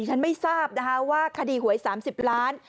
ฉันไม่ทราบนะคะว่าคดีหวย๓๐ล้าน